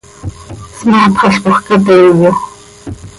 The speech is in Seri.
Smaapxalcoj ca teeyo.